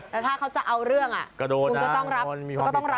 แล้วถ้าเขาจะเอาเรื่องก็ต้องรับโทษนะ